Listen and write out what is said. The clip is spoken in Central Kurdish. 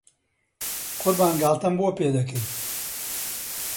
قوربان گاڵتەم بۆ پێ دەکەی؟